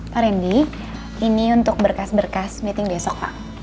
pak randy ini untuk berkas berkas meeting besok pak